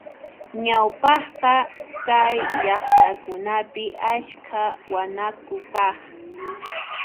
Ñawpaqqa kay llaqtakunapi askha wanaku kaq.